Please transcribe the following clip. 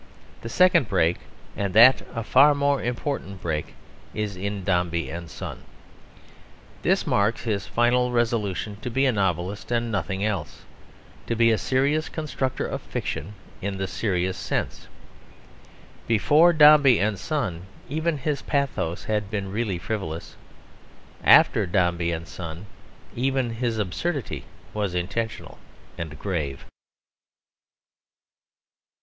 The second break, and that a far more important break, is in Dombey and Son. This marks his final resolution to be a novelist and nothing else, to be a serious constructor of fiction in the serious sense. Before Dombey and Son even his pathos had been really frivolous. After Dombey and Son even his absurdity was intentional and grave.